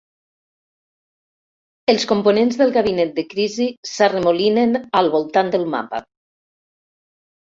Els components del gabinet de crisi s'arremolinen al voltant del mapa.